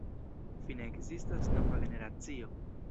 Fine ekzistas nova generacio.